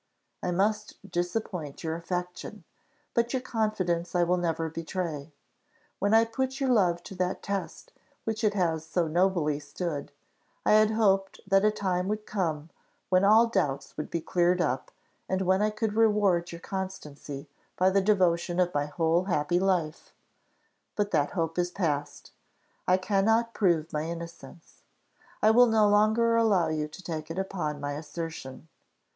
I must disappoint your affection, but your confidence I will not betray. When I put your love to that test which it has so nobly stood, I had hoped that a time would come when all doubts would be cleared up, and when I could reward your constancy by the devotion of my whole happy life but that hope is past: I cannot prove my innocence I will no longer allow you to take it upon my assertion.